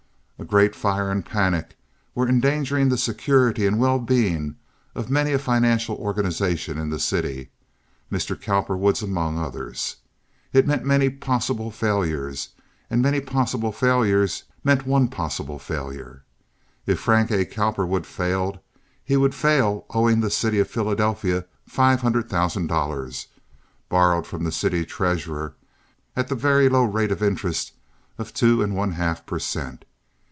A great fire and a panic were endangering the security and well being of many a financial organization in the city—Mr. Cowperwood's among others. It meant many possible failures, and many possible failures meant one possible failure. If Frank A. Cowperwood failed, he would fail owing the city of Philadelphia five hundred thousand dollars, borrowed from the city treasurer at the very low rate of interest of two and one half per cent.